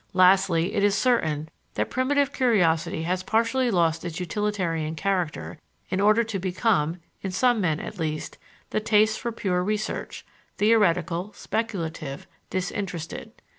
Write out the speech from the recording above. Lastly, it is certain that primitive curiosity has partially lost its utilitarian character in order to become, in some men at least, the taste for pure research theoretical, speculative, disinterested.